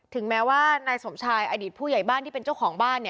แม้ว่านายสมชายอดีตผู้ใหญ่บ้านที่เป็นเจ้าของบ้าน